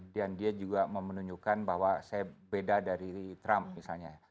dan dia juga memunjukkan bahwa saya beda dari trump misalnya